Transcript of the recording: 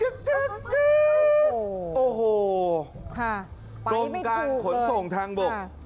โกรมการขนส่งทางบก